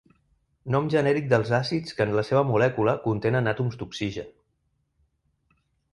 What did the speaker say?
Nom genèric dels àcids que en la seva molècula contenen àtoms d'oxigen.